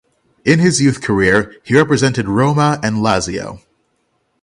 In his youth career he represented Roma and Lazio.